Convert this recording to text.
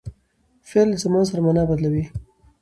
فعل د زمان سره مانا بدلوي.